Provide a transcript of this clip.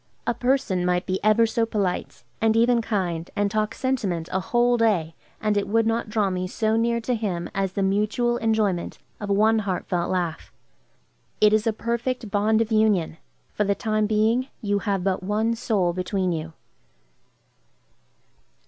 A person might be ever so polite, and even kind, and talk sentiment a whole day, and it would not draw me so near to him as the mutual enjoyment of one heartfelt laugh. It is a perfect bond of union; for the time being, you have but one soul between you.